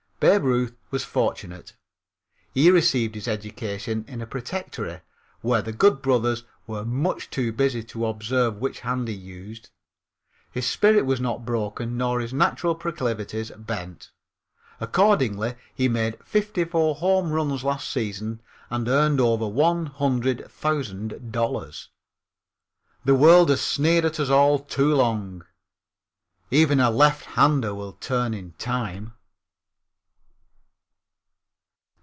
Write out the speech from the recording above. Babe Ruth was fortunate. He received his education in a protectory where the good brothers were much too busy to observe which hand he used. His spirit was not broken nor his natural proclivities bent. Accordingly he made fifty four home runs last season and earned over one hundred thousand dollars. The world has sneered at us all too long. Even a lefthander will turn in time.